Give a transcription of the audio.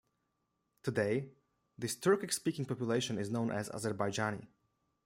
Today, this Turkic-speaking population is known as Azerbaijani.